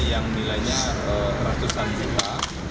yang nilainya ratusan juta